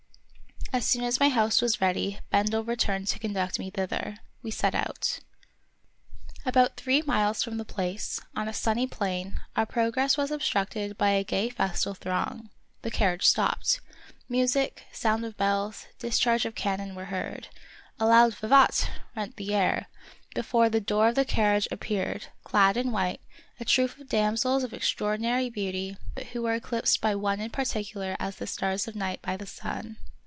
As soon as my house was ready Bendel returned to conduct me thither. We set out. 36 The Wonderful History About three miles from the place, on a sunny plain, our progress was obstructed by a gay festal throng. The carriage stopped. Music, sound of bells, discharge of cannon were heard ; a loud vivat ! rent the air ; before the door of the carriage appeared, clad in white, a troop of damsels of ex traordinary beauty, but who were eclipsed by one in particular as the stars of night by the sun.